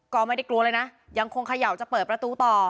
ก็ไม่ได้กลัวเลยนะยังคงเขย่าจะเปิดประตูต่อ